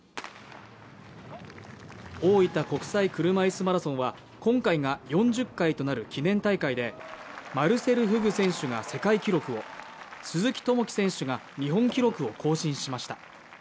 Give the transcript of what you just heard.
大分国際車いすマラソンは、今回が４０回となる記念大会で、マルセル・フグ選手が世界記録を、鈴木朋樹選手が日本記録を更新しました。